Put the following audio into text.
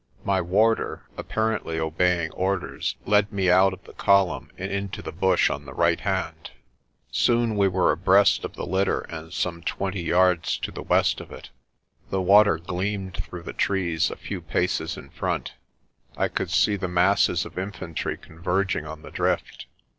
My warder, apparently obeying orders, led me out of the column and into the bush on the right hand. Soon we were THE DRIFT OF THE LETABA 161 abreast of the litter and some twenty yards to the west of it. The water gleamed through the trees a few paces in front. I could see the masses of infantry converging on the drift.